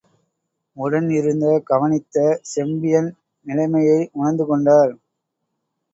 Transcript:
உடன் இருந்து கவனித்த செம்பியன், நிலைமையை உணர்ந்து கொண்டார்.